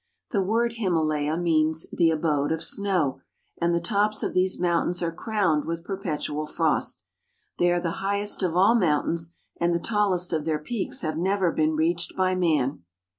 The word " Himalaya " means "the abode of snow" and the tops of these moun tains are crowned with perpetual frost. They are the highest of all mountains, and the tallest of their peaks have never been reached by man.